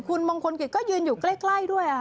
คุณมงคลกิจก็ยืนอยู่ใกล้ด้วย